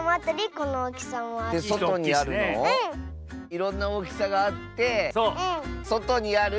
いろんなおおきさがあってそとにある。